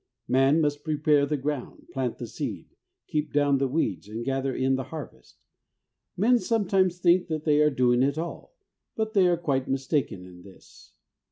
Man must prepare the ground, plant the seed, keep down the weeds, and gather in the harvest. Men sometimes think that they are doing it all, but they are quite mistaken in this.